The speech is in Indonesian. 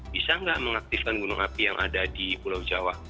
bisa nggak mengaktifkan gunung api yang ada di pulau jawa